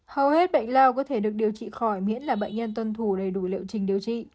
hầu hết bệnh lao có thể được điều trị khỏi miễn là bệnh nhân tuân thủ đầy đủ liệu trình điều trị